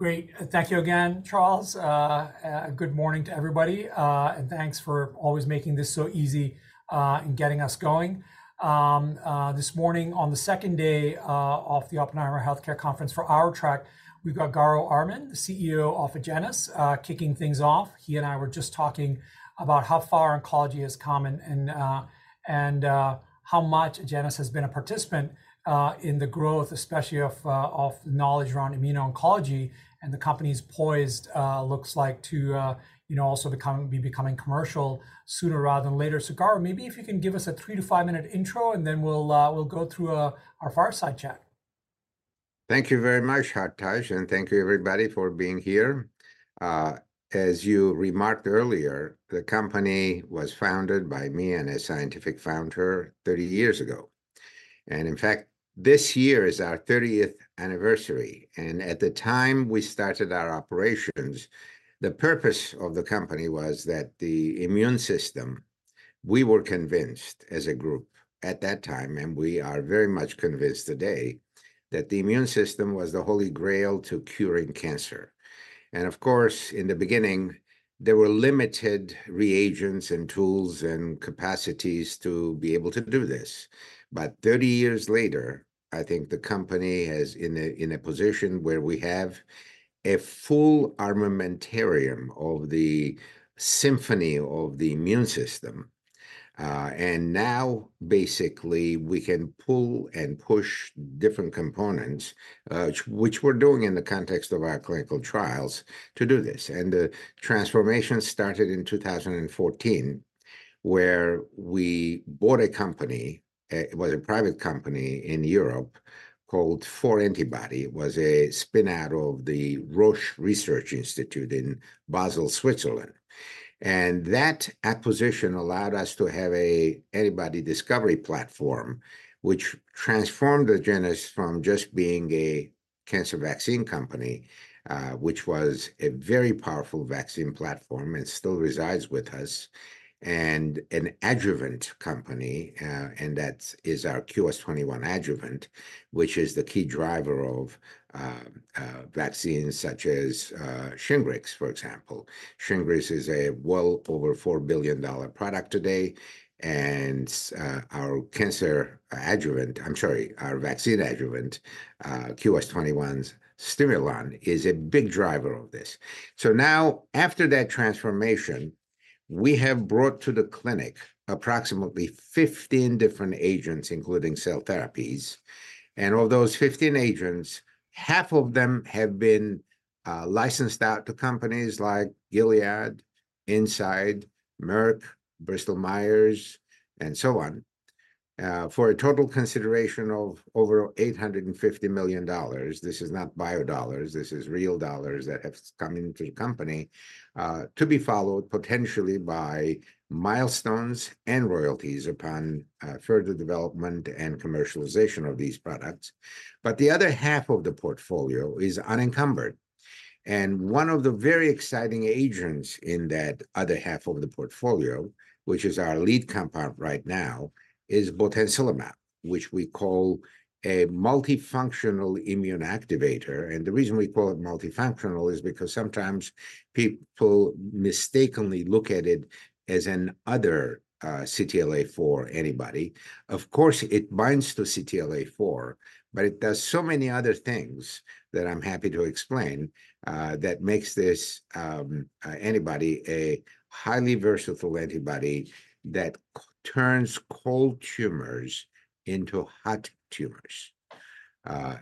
Great. Thank you again, Charles. Good morning to everybody, and thanks for always making this so easy, and getting us going. This morning, on the second day of the Oppenheimer Healthcare Conference for our track, we've got Garo Armen, the CEO of Agenus, kicking things off. He and I were just talking about how far oncology has come and how much Agenus has been a participant in the growth, especially of knowledge around immuno-oncology, and the company's poised, looks like, to, you know, also becoming commercial sooner rather than later. So Garo, maybe if you can give us a 3-5-minute intro, and then we'll go through our fireside chat. Thank you very much, Hartaj, and thank you, everybody, for being here. As you remarked earlier, the company was founded by me and a scientific founder 30 years ago. And in fact, this year is our 30th anniversary. And at the time we started our operations, the purpose of the company was that the immune system we were convinced, as a group at that time, and we are very much convinced today, that the immune system was the Holy Grail to curing cancer. And of course, in the beginning, there were limited reagents and tools and capacities to be able to do this. But 30 years later, I think the company has in a position where we have a full armamentarium of the symphony of the immune system. And now, basically, we can pull and push different components, which we're doing in the context of our clinical trials, to do this. And the transformation started in 2014, where we bought a company, it was a private company in Europe called 4-Antibody. It was a spin-out of the Roche Research Institute in Basel, Switzerland. And that acquisition allowed us to have an antibody discovery platform, which transformed Agenus from just being a cancer vaccine company, which was a very powerful vaccine platform and still resides with us, and an adjuvant company. And that is our QS-21 adjuvant, which is the key driver of vaccines such as Shingrix, for example. Shingrix is a well over $4 billion product today. And, our cancer adjuvant, I'm sorry, our vaccine adjuvant, QS-21 Stimulon is a big driver of this. So now, after that transformation, we have brought to the clinic approximately 15 different agents, including cell therapies. And of those 15 agents, half of them have been licensed out to companies like Gilead, Incyte, Merck, Bristol-Myers, and so on, for a total consideration of over $850 million. This is not bio dollars. This is real dollars that have come into the company, to be followed, potentially, by milestones and royalties upon further development and commercialization of these products. But the other half of the portfolio is unencumbered. And one of the very exciting agents in that other half of the portfolio, which is our lead compound right now, is botensilimab, which we call a multifunctional immune activator. And the reason we call it multifunctional is because sometimes people mistakenly look at it as another CTLA-4 antibody. Of course, it binds to CTLA-4, but it does so many other things that I'm happy to explain that makes this antibody a highly versatile antibody that turns cold tumors into hot tumors.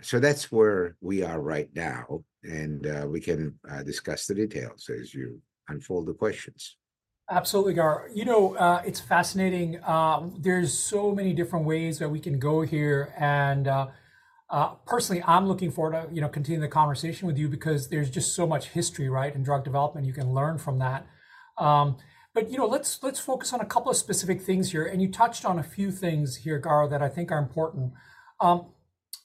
So that's where we are right now. And we can discuss the details as you unfold the questions. Absolutely, Garo. You know, it's fascinating. There's so many different ways that we can go here. Personally, I'm looking forward to, you know, continuing the conversation with you because there's just so much history, right, in drug development. You can learn from that. But, you know, let's focus on a couple of specific things here. You touched on a few things here, Garo, that I think are important.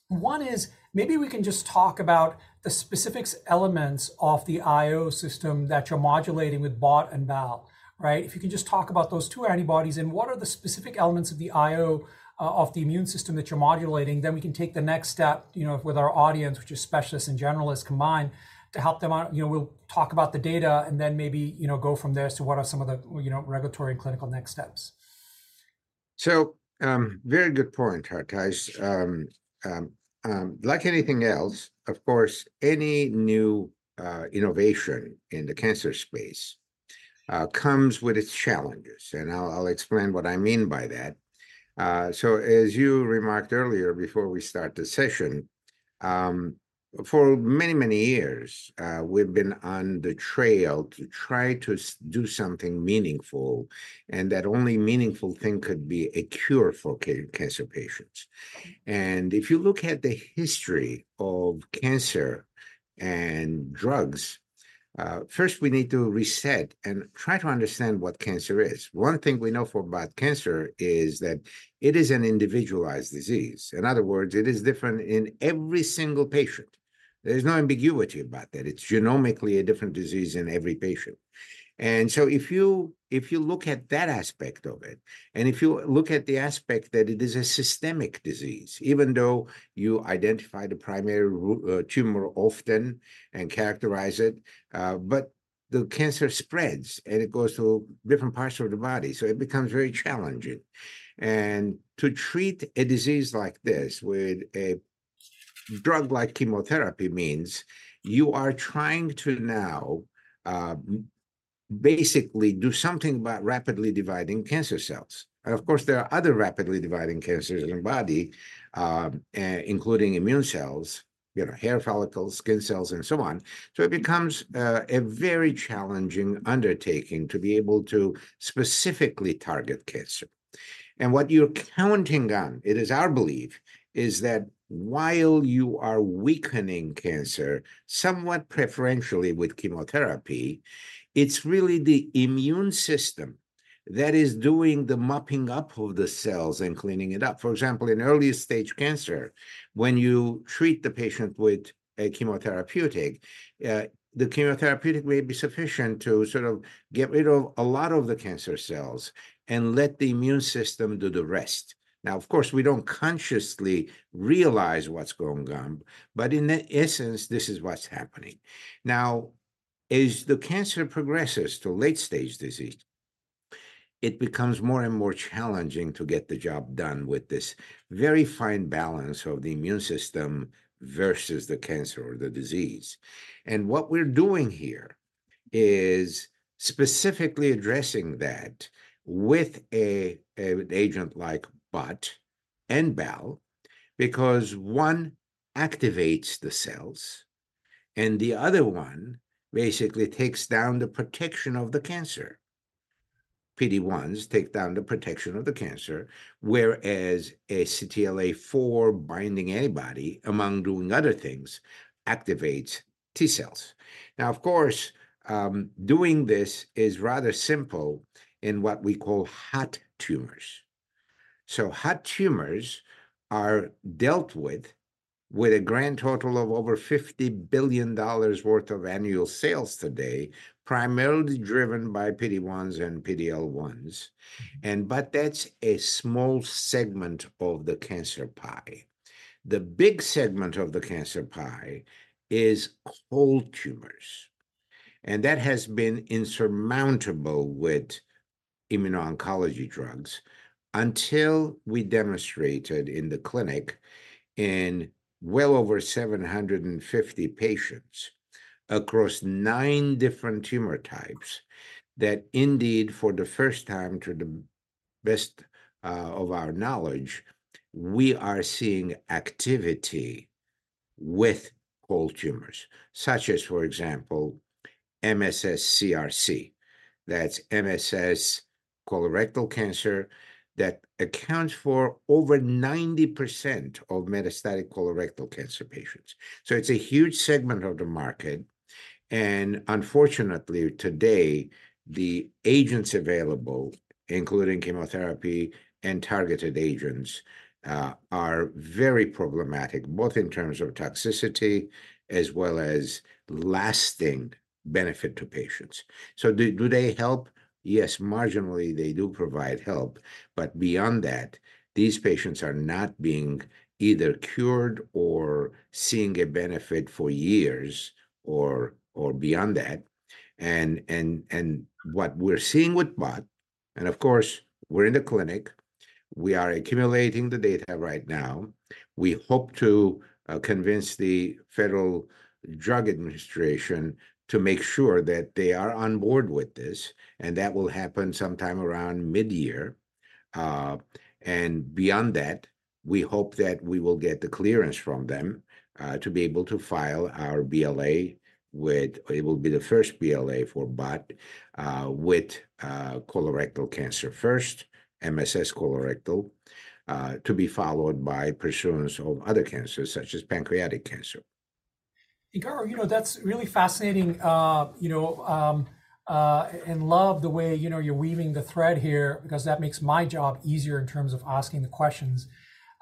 One is maybe we can just talk about the specific elements of the IO system that you're modulating with BOT and BAL, right? If you can just talk about those two antibodies and what are the specific elements of the IO, of the immune system that you're modulating, then we can take the next step, you know, with our audience, which is specialists and generalists combined, to help them out. You know, we'll talk about the data and then maybe, you know, go from there as to what are some of the, you know, regulatory and clinical next steps. So, very good point, Hartaj. Like anything else, of course, any new innovation in the cancer space comes with its challenges. And I'll explain what I mean by that. So as you remarked earlier before we start the session, for many, many years, we've been on the trail to try to do something meaningful, and that only meaningful thing could be a cure for cancer patients. And if you look at the history of cancer and drugs, first, we need to reset and try to understand what cancer is. One thing we know about cancer is that it is an individualized disease. In other words, it is different in every single patient. There's no ambiguity about that. It's genomically a different disease in every patient. And so if you look at that aspect of it, and if you look at the aspect that it is a systemic disease, even though you identify the primary root tumor often and characterize it, but the cancer spreads, and it goes to different parts of the body. So it becomes very challenging. To treat a disease like this with a drug like chemotherapy means you are trying to now, basically do something about rapidly dividing cancer cells. Of course, there are other rapidly dividing cancers in the body, including immune cells, you know, hair follicles, skin cells, and so on. So it becomes a very challenging undertaking to be able to specifically target cancer. And what you're counting on, it is our belief, is that while you are weakening cancer somewhat preferentially with chemotherapy, it's really the immune system that is doing the mopping up of the cells and cleaning it up. For example, in early-stage cancer, when you treat the patient with a chemotherapeutic, the chemotherapeutic may be sufficient to sort of get rid of a lot of the cancer cells and let the immune system do the rest. Now, of course, we don't consciously realize what's going on, but in essence, this is what's happening. Now, as the cancer progresses to late-stage disease, it becomes more and more challenging to get the job done with this very fine balance of the immune system versus the cancer or the disease. What we're doing here is specifically addressing that with an agent like BOT and BAL because one activates the cells, and the other one basically takes down the protection of the cancer. PD-1s take down the protection of the cancer, whereas a CTLA-4 binding antibody, among doing other things, activates T cells. Now, of course, doing this is rather simple in what we call hot tumors. Hot tumors are dealt with a grand total of over $50 billion worth of annual sales today, primarily driven by PD-1s and PD-L1s. But that's a small segment of the cancer pie. The big segment of the cancer pie is cold tumors. That has been insurmountable with immuno-oncology drugs until we demonstrated in the clinic in well over 750 patients across 9 different tumor types that indeed, for the first time, to the best of our knowledge, we are seeing activity with cold tumors, such as, for example, MSS-CRC. That's MSS colorectal cancer that accounts for over 90% of metastatic colorectal cancer patients. So it's a huge segment of the market. And unfortunately, today, the agents available, including chemotherapy and targeted agents, are very problematic, both in terms of toxicity as well as lasting benefit to patients. So do they help? Yes, marginally, they do provide help. But beyond that, these patients are not being either cured or seeing a benefit for years or beyond that. And what we're seeing with BOT and of course, we're in the clinic. We are accumulating the data right now. We hope to convince the Food and Drug Administration to make sure that they are on board with this. That will happen sometime around mid-year. Beyond that, we hope that we will get the clearance from them to be able to file our BLA. It will be the first BLA for BOT with colorectal cancer first, MSS colorectal, to be followed by pursuit of other cancers, such as pancreatic cancer. Garo, you know, that's really fascinating. You know, and love the way, you know, you're weaving the thread here because that makes my job easier in terms of asking the questions.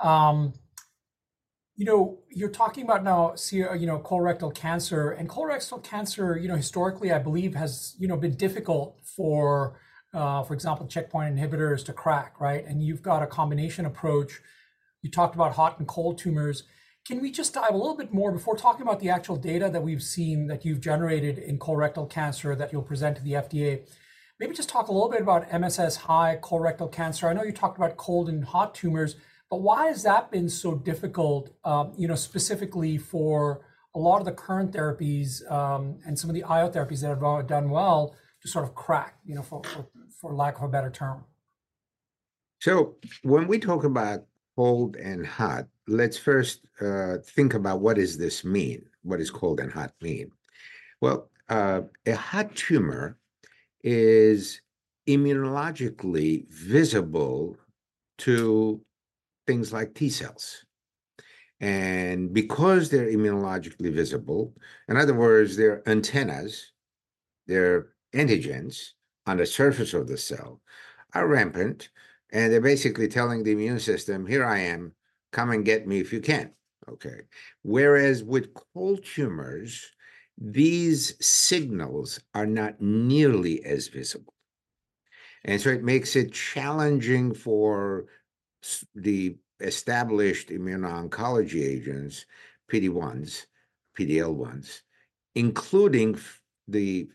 You know, you're talking about now, you know, colorectal cancer. And colorectal cancer, you know, historically, I believe, has, you know, been difficult for, for example, checkpoint inhibitors to crack, right? And you've got a combination approach. You talked about hot and cold tumors. Can we just dive a little bit more before talking about the actual data that we've seen that you've generated in colorectal cancer that you'll present to the FDA? Maybe just talk a little bit about MSS high colorectal cancer. I know you talked about cold and hot tumors, but why has that been so difficult, you know, specifically for a lot of the current therapies, and some of the IO therapies that have done well to sort of crack, you know, for lack of a better term? So when we talk about cold and hot, let's first think about what does this mean, what does cold and hot mean? Well, a hot tumor is immunologically visible to things like T cells. And because they're immunologically visible, in other words, they're antennas, they're antigens on the surface of the cell, are rampant. And they're basically telling the immune system, here I am, come and get me if you can, OK? Whereas with cold tumors, these signals are not nearly as visible. And so it makes it challenging for the established immuno-oncology agents, PD-1s, PD-L1s, including the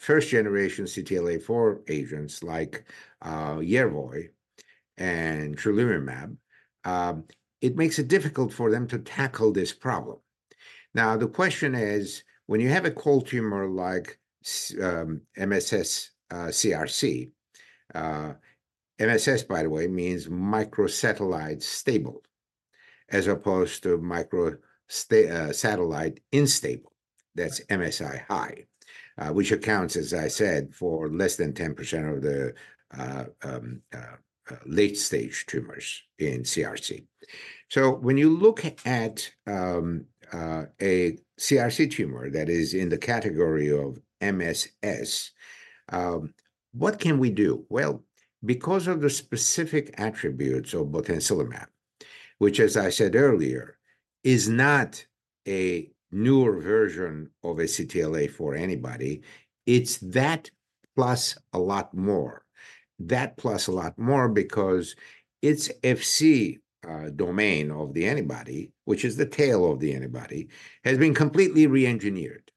first-generation CTLA-4 agents like Yervoy and tremelimumab, it makes it difficult for them to tackle this problem. Now, the question is, when you have a cold tumor like MSS CRC, MSS, by the way, means microsatellite stable as opposed to microsatellite unstable. That's MSI-H, which accounts, as I said, for less than 10% of the late-stage tumors in CRC. So when you look at a CRC tumor that is in the category of MSS, what can we do? Well, because of the specific attributes of botensilimab, which, as I said earlier, is not a newer version of a CTLA-4 antibody, it's that plus a lot more. That plus a lot more because its Fc domain of the antibody, which is the tail of the antibody, has been completely re-engineered.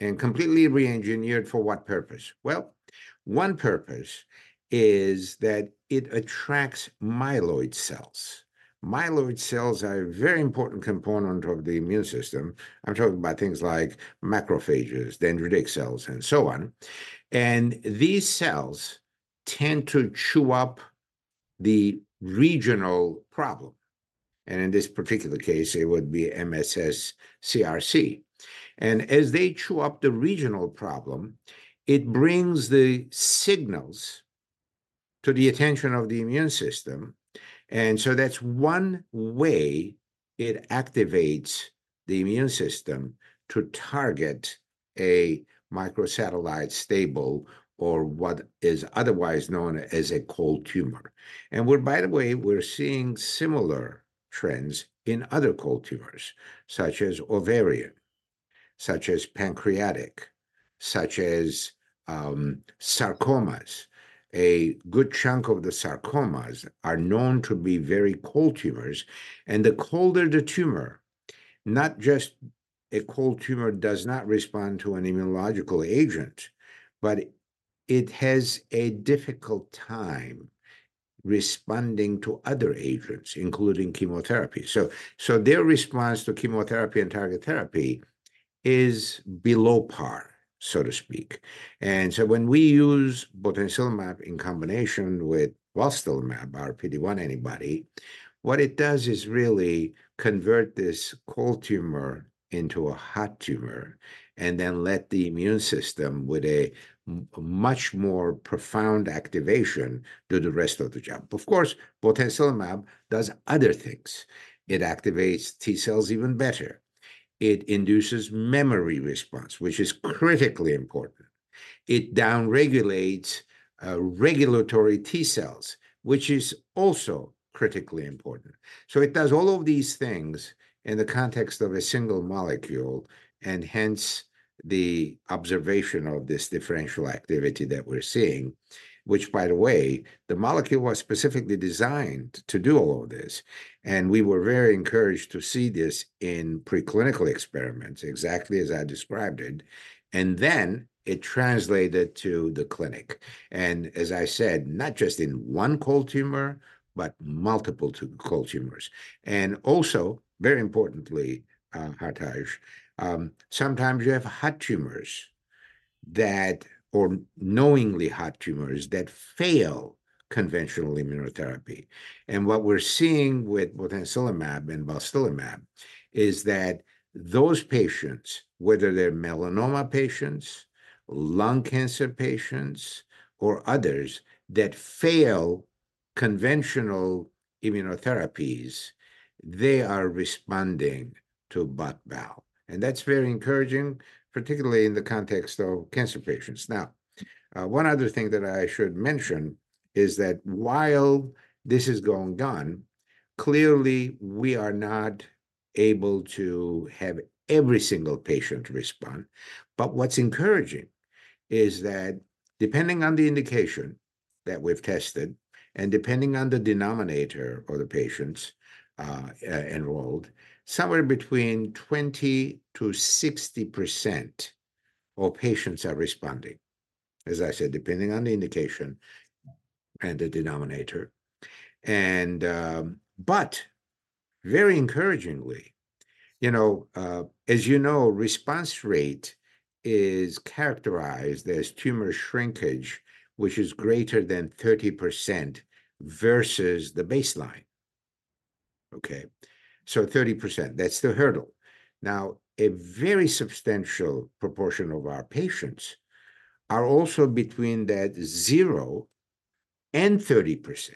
And completely re-engineered for what purpose? Well, one purpose is that it attracts myeloid cells. Myeloid cells are a very important component of the immune system. I'm talking about things like macrophages, dendritic cells, and so on. And these cells tend to chew up the regional problem. And in this particular case, it would be MSS-CRC. As they chew up the regional problem, it brings the signals to the attention of the immune system. So that's one way it activates the immune system to target a microsatellite stable or what is otherwise known as a cold tumor. By the way, we're seeing similar trends in other cold tumors, such as ovarian, such as pancreatic, such as sarcomas. A good chunk of the sarcomas are known to be very cold tumors. The colder the tumor, not just a cold tumor does not respond to an immunological agent, but it has a difficult time responding to other agents, including chemotherapy. So their response to chemotherapy and target therapy is below par, so to speak. And so when we use botensilimab in combination with balstilimab, our PD-1 antibody, what it does is really convert this cold tumor into a hot tumor and then let the immune system, with a much more profound activation, do the rest of the job. Of course, botensilimab does other things. It activates T cells even better. It induces memory response, which is critically important. It downregulates regulatory T cells, which is also critically important. So it does all of these things in the context of a single molecule and hence the observation of this differential activity that we're seeing, which, by the way, the molecule was specifically designed to do all of this. And we were very encouraged to see this in preclinical experiments, exactly as I described it. And then it translated to the clinic. And as I said, not just in one cold tumor, but multiple cold tumors. Also, very importantly, Hartaj, sometimes you have hot tumors, or knowingly hot tumors, that fail conventional immunotherapy. And what we're seeing with botensilimab and balstilimab is that those patients, whether they're melanoma patients, lung cancer patients, or others that fail conventional immunotherapies, they are responding to BOT/BAL. And that's very encouraging, particularly in the context of cancer patients. Now, one other thing that I should mention is that while this is going on, clearly, we are not able to have every single patient respond. But what's encouraging is that depending on the indication that we've tested and depending on the denominator of the patients enrolled, somewhere between 20%-60% of patients are responding, as I said, depending on the indication and the denominator. Very encouragingly, you know, as you know, response rate is characterized as tumor shrinkage, which is greater than 30% versus the baseline, OK? So 30%, that's the hurdle. Now, a very substantial proportion of our patients are also between that 0% and 30%.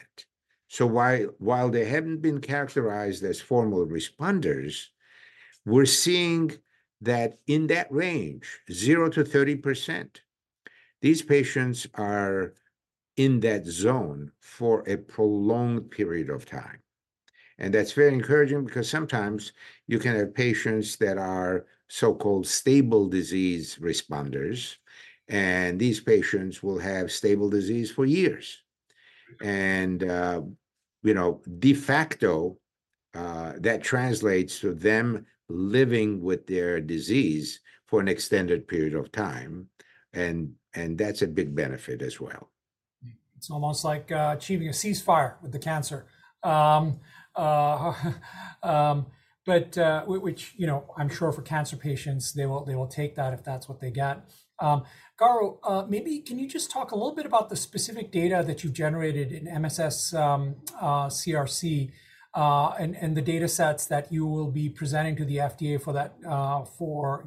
So while they haven't been characterized as formal responders, we're seeing that in that range, 0% to 30%, these patients are in that zone for a prolonged period of time. And that's very encouraging because sometimes you can have patients that are so-called stable disease responders. And these patients will have stable disease for years. You know, de facto, that translates to them living with their disease for an extended period of time. And that's a big benefit as well. It's almost like achieving a ceasefire with the cancer, you know, I'm sure for cancer patients, they will take that if that's what they get. Garo, maybe can you just talk a little bit about the specific data that you've generated in MSS mCRC, and the data sets that you will be presenting to the FDA for that,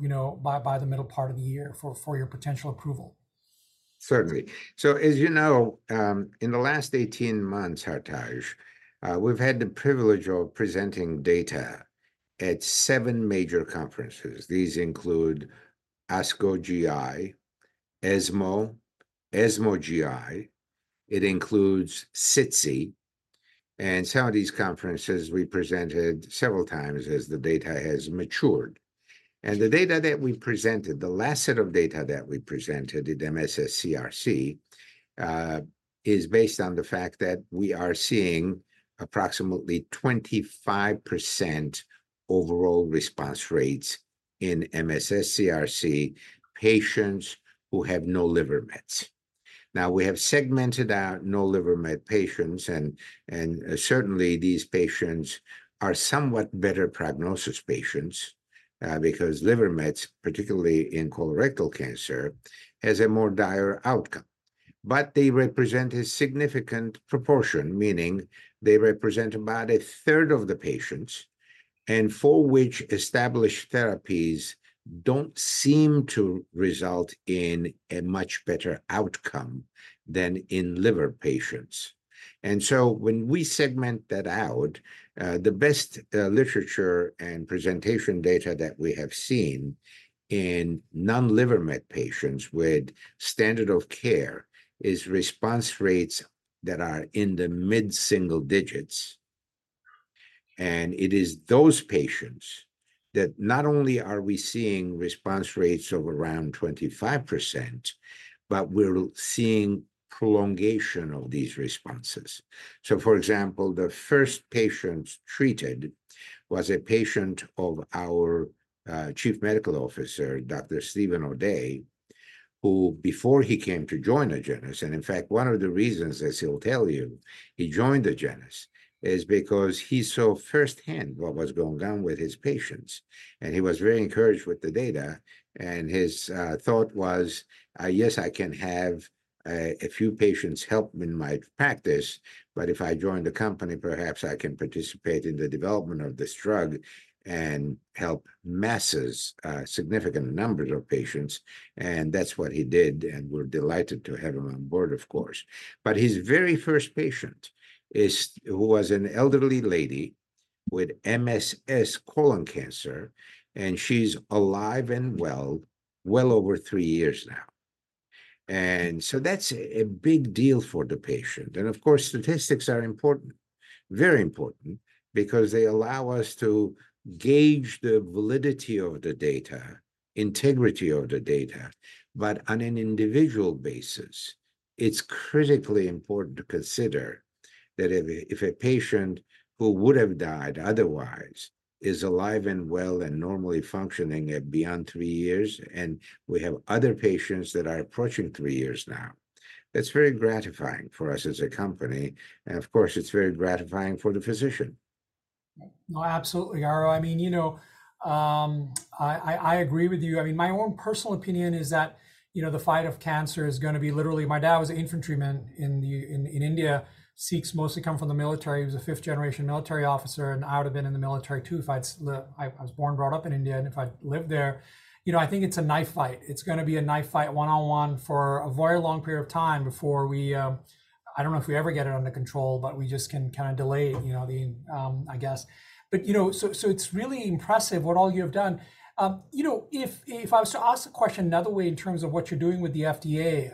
you know, by the middle part of the year for your potential approval? Certainly. So as you know, in the last 18 months, Hartaj, we've had the privilege of presenting data at seven major conferences. These include ASCO-GI, ESMO, ESMO-GI. It includes SITC. And some of these conferences we presented several times as the data has matured. And the data that we presented, the last set of data that we presented at MSS-CRC, is based on the fact that we are seeing approximately 25% overall response rates in MSS-CRC patients who have no liver mets. Now, we have segmented out no liver met patients. And certainly, these patients are somewhat better prognosis patients, because liver mets, particularly in colorectal cancer, has a more dire outcome. But they represent a significant proportion, meaning they represent about a third of the patients and for which established therapies don't seem to result in a much better outcome than in liver patients. And so when we segment that out, the best literature and presentation data that we have seen in non-liver met patients with standard of care is response rates that are in the mid-single digits. And it is those patients that not only are we seeing response rates of around 25%, but we're seeing prolongation of these responses. So for example, the first patient treated was a patient of our Chief Medical Officer, Dr. Steven O'Day, who, before he came to join Agenus and in fact, one of the reasons, as he'll tell you, he joined Agenus is because he saw firsthand what was going on with his patients. And he was very encouraged with the data. And his thought was, yes, I can have a few patients help in my practice. But if I join the company, perhaps I can participate in the development of this drug and help masses, significant numbers of patients. And that's what he did. And we're delighted to have him on board, of course. But his very first patient, who was an elderly lady with MSS colon cancer. And she's alive and well over three years now. And so that's a big deal for the patient. And of course, statistics are important, very important, because they allow us to gauge the validity of the data, integrity of the data. But on an individual basis, it's critically important to consider that if a patient who would have died otherwise is alive and well and normally functioning at beyond three years, and we have other patients that are approaching three years now, that's very gratifying for us as a company. Of course, it's very gratifying for the physician. No, absolutely, Garo. I mean, you know, I agree with you. I mean, my own personal opinion is that, you know, the fight of cancer is going to be literally—my dad was an infantryman in the infantry in India. Sikhs mostly come from the military. He was a fifth-generation military officer. And I would have been in the military too if I'd—I was born, brought up in India. And if I'd lived there, you know, I think it's a knife fight. It's going to be a knife fight one-on-one for a very long period of time before we—I don't know if we ever get it under control, but we just can kind of delay, you know, the—I guess. But you know, so it's really impressive what all you have done. You know, if I was to ask the question another way in terms of what you're doing with the FDA,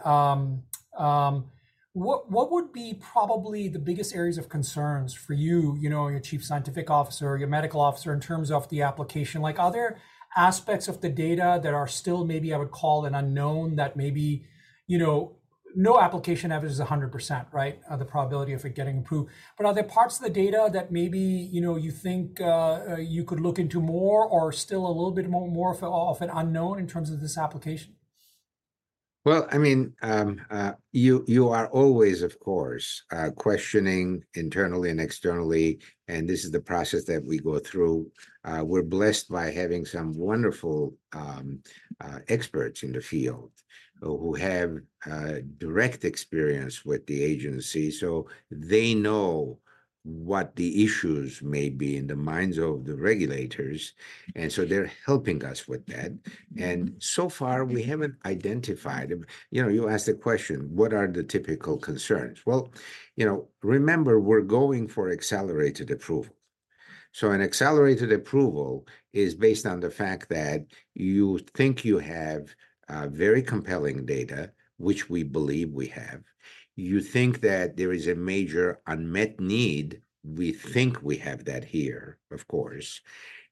what would be probably the biggest areas of concerns for you, you know, your Chief Scientific Officer, your Medical Officer, in terms of the application? Like, are there aspects of the data that are still maybe I would call an unknown that maybe, you know, no application averages 100%, right, the probability of it getting approved? But are there parts of the data that maybe, you know, you think, you could look into more or still a little bit more of an unknown in terms of this application? Well, I mean, you are always, of course, questioning internally and externally. And this is the process that we go through. We're blessed by having some wonderful experts in the field who have direct experience with the agency. So they know what the issues may be in the minds of the regulators. And so they're helping us with that. And so far, we haven't identified you know, you asked the question, what are the typical concerns? Well, you know, remember, we're going for accelerated approval. So an accelerated approval is based on the fact that you think you have very compelling data, which we believe we have. You think that there is a major unmet need. We think we have that here, of course.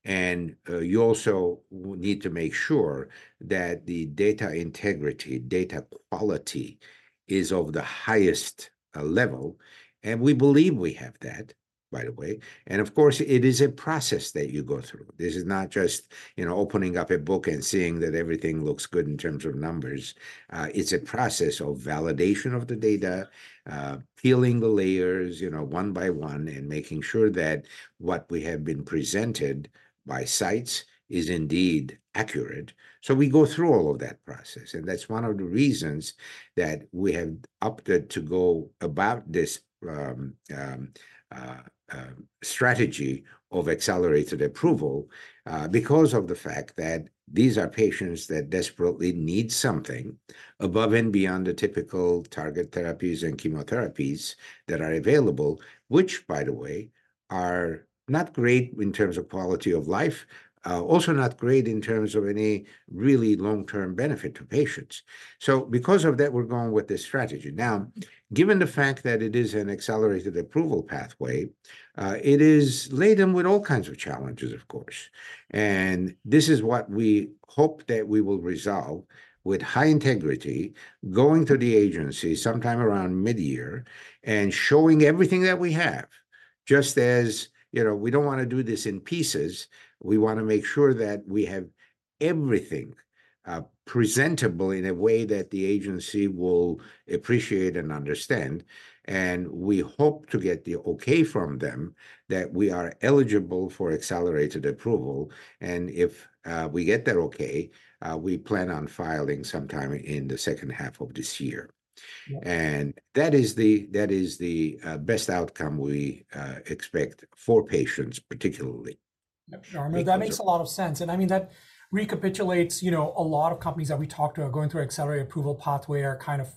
And you also need to make sure that the data integrity, data quality is of the highest level. We believe we have that, by the way. Of course, it is a process that you go through. This is not just, you know, opening up a book and seeing that everything looks good in terms of numbers. It's a process of validation of the data, peeling the layers, you know, one by one, and making sure that what we have been presented by sites is indeed accurate. We go through all of that process. That's one of the reasons that we have opted to go about this strategy of accelerated approval, because of the fact that these are patients that desperately need something above and beyond the typical target therapies and chemotherapies that are available, which, by the way, are not great in terms of quality of life, also not great in terms of any really long-term benefit to patients. So because of that, we're going with this strategy. Now, given the fact that it is an accelerated approval pathway, it is laden with all kinds of challenges, of course. And this is what we hope that we will resolve with high integrity, going to the agency sometime around mid-year and showing everything that we have, just as, you know, we don't want to do this in pieces. We want to make sure that we have everything, presentable in a way that the agency will appreciate and understand. And we hope to get the OK from them that we are eligible for accelerated approval. And if we get that OK, we plan on filing sometime in the second half of this year. And that is the best outcome we expect for patients, particularly. Yep, that makes a lot of sense. I mean, that recapitulates you know a lot of companies that we talked to are going through an accelerated approval pathway, are kind of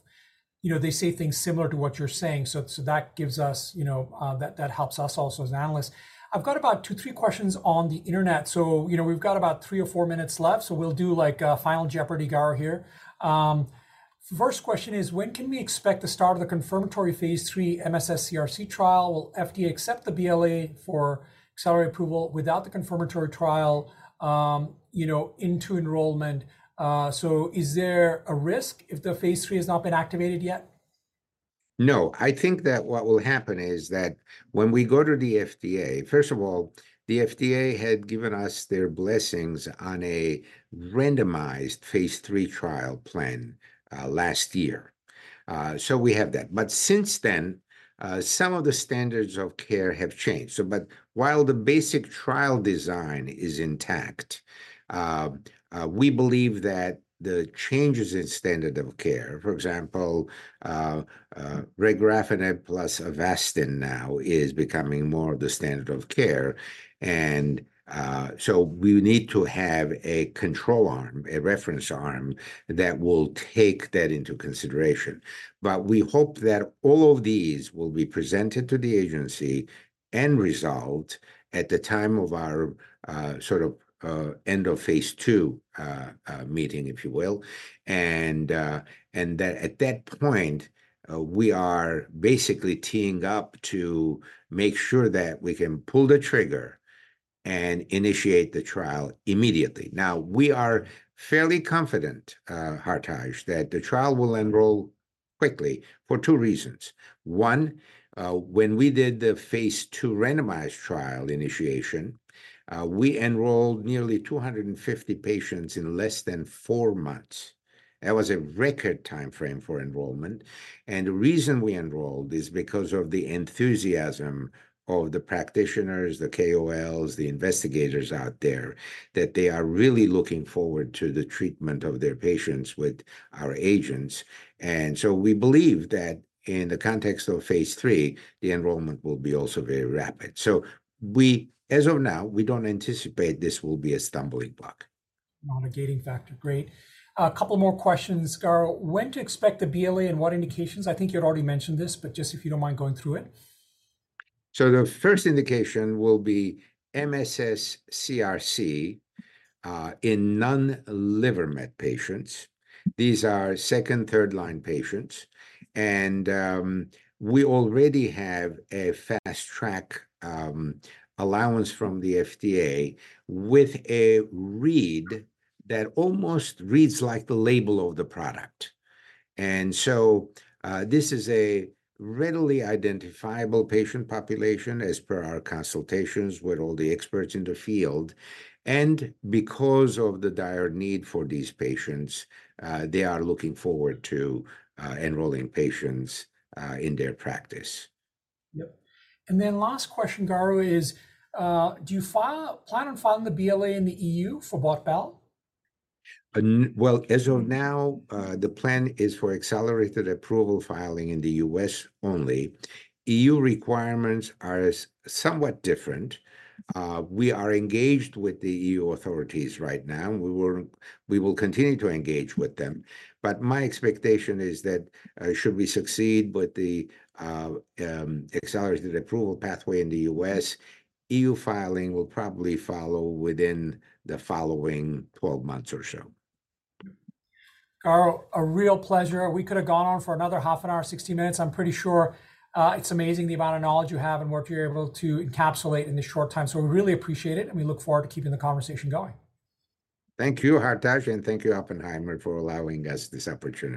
you know they say things similar to what you're saying. So that gives us you know, that helps us also as analysts. I've got about 2-3 questions on the internet. So you know we've got about 3 or 4 minutes left. So we'll do like a final Jeopardy! Garo here. First question is, when can we expect the start of the confirmatory phase 3 MSS-CRC trial? Will FDA accept the BLA for accelerated approval without the confirmatory trial, you know, into enrollment? So is there a risk if the phase 3 has not been activated yet? No, I think that what will happen is that when we go to the FDA first of all, the FDA had given us their blessings on a randomized phase three trial plan, last year. So we have that. But since then, some of the standards of care have changed. So but while the basic trial design is intact, we believe that the changes in standard of care, for example, regorafenib plus Avastin now is becoming more of the standard of care. And, so we need to have a control arm, a reference arm that will take that into consideration. But we hope that all of these will be presented to the agency and resolved at the time of our, sort of, end of phase two, meeting, if you will. and that at that point, we are basically teeing up to make sure that we can pull the trigger and initiate the trial immediately. Now, we are fairly confident, Hartaj, that the trial will enroll quickly for 2 reasons. One, when we did the phase 2 randomized trial initiation, we enrolled nearly 250 patients in less than 4 months. That was a record time frame for enrollment. And the reason we enrolled is because of the enthusiasm of the practitioners, the KOLs, the investigators out there, that they are really looking forward to the treatment of their patients with our agents. And so we believe that in the context of phase 3, the enrollment will be also very rapid. So as of now, we don't anticipate this will be a stumbling block. Not a gating factor. Great. A couple more questions, Garo. When to expect the BLA and what indications? I think you had already mentioned this, but just if you don't mind going through it. The first indication will be MSS-CRC in non-liver met patients. These are second- and third-line patients. We already have a fast track allowance from the FDA with a read that almost reads like the label of the product. This is a readily identifiable patient population, as per our consultations with all the experts in the field. Because of the dire need for these patients, they are looking forward to enrolling patients in their practice. Yep. And then last question, Garo, is, do you plan on filing the BLA in the EU for BOT/BAL? Well, as of now, the plan is for accelerated approval filing in the U.S. only. EU requirements are somewhat different. We are engaged with the EU authorities right now. And we will continue to engage with them. But my expectation is that, should we succeed with the accelerated approval pathway in the U.S., EU filing will probably follow within the following 12 months or so. Garo, a real pleasure. We could have gone on for another half an hour, 60 minutes. I'm pretty sure it's amazing the amount of knowledge you have and what you're able to encapsulate in this short time. So we really appreciate it. We look forward to keeping the conversation going. Thank you, Hartaj. Thank you, Oppenheimer, for allowing us this opportunity.